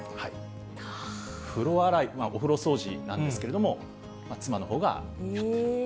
風呂洗い、お風呂掃除なんですけれども、妻のほうがやってる。